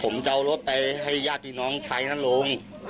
ผมจะเอารถไปให้ญาติพี่น้องใช้นั้นลง